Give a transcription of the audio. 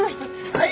はい。